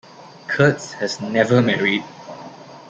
Kurtz has never married.